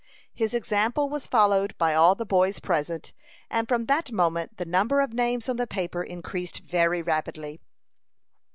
His example was followed by all the boys present, and from that moment the number of names on the paper increased very rapidly.